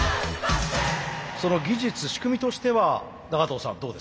その技術仕組みとしては長藤さんどうですか？